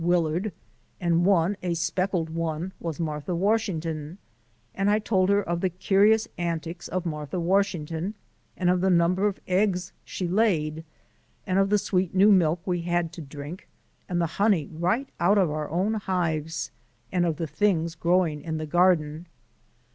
Willard, and one, a speckled one, was Martha Washington, and I told her of the curious antics of Martha Washington and of the number of eggs she laid, and of the sweet new milk we had to drink, and the honey right out of our own hives, and of the things growing in the garden.